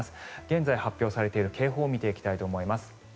現在発表されている警報を見ていきたいと思います。